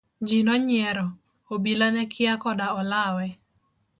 Ji nonyiero, obila ne kia koda olawe.